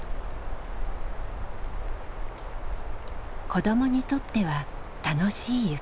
子どもにとっては楽しい雪。